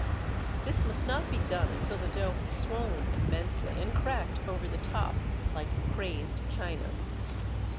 This must not be done until the dough has swollen immensely, and cracked over the top like "crazed" china.